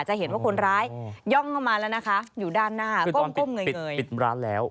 จะเห็นว่าคนร้ายย่องออกมาแล้วนะคะอยู่ด้านหน้าก้มก้มเงย